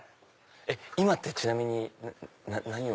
今ってちなみに何を。